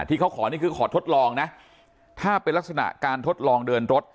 ที่เขาขอนี่คือขอทดลองนะถ้าเป็นลักษณะการทดลองเดินรถ